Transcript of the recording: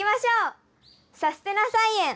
さすてな菜園。